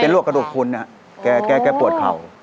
เป็นลวกกระดูกคุณนะแกปวดเข่า